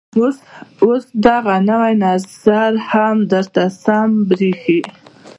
او اوس دغه نوى نظر هم درته سم بريښي.